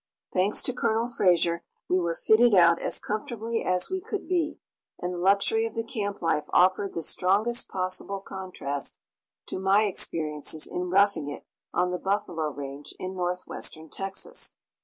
Thanks to Colonel Fraser, we were fitted out as comfortably as we could be, and the luxury of the camp life offered the strongest possible contrast to my experiences in roughing it on the buffalo range in northwestern Texas.